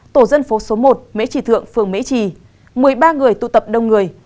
tổ dân phố số một mễ trì thượng phường mỹ trì một mươi ba người tụ tập đông người